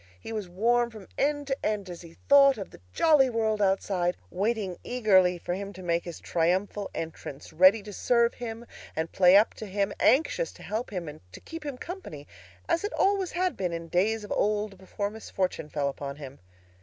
He was warm from end to end as he thought of the jolly world outside, waiting eagerly for him to make his triumphal entrance, ready to serve him and play up to him, anxious to help him and to keep him company, as it always had been in days of old before misfortune fell upon him.